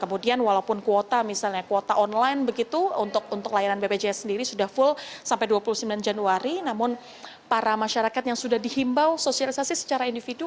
kemudian walaupun kuota misalnya kuota online begitu untuk layanan bpjs sendiri sudah full sampai dua puluh sembilan januari namun para masyarakat yang sudah dihimbau sosialisasi secara individu